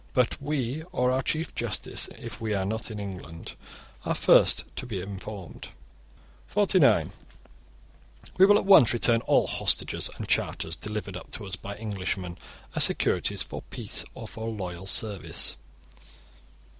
But we, or our chief justice if we are not in England, are first to be informed. (49) We will at once return all hostages and charters delivered up to us by Englishmen as security for peace or for loyal service.